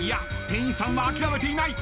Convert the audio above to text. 店員さんは諦めていない。